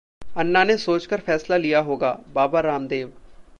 अन्ना ने सोचकर फैसला लिया होगा: बाबा रामदेव